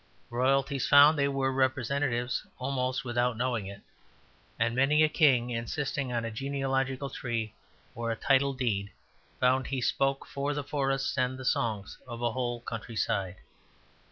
Royalties found they were representatives almost without knowing it; and many a king insisting on a genealogical tree or a title deed found he spoke for the forests and the songs of a whole country side.